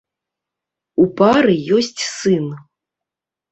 У пары ёсць сын.